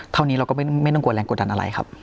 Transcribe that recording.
เท่านี้เราก็ไม่ต้องกลัวแรงกดดันอะไรครับ